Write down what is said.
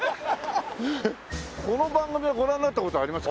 この番組はご覧になった事ありますか？